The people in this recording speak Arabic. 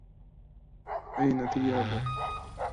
لذا فضلهُ ليكن لهذاك طيبهُ